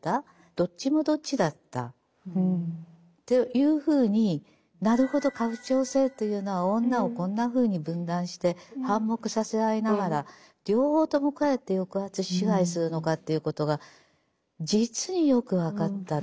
どっちもどっちだったというふうになるほど家父長制というのは女をこんなふうに分断して反目させ合いながら両方ともこうやって抑圧支配するのかということが実によく分かったと。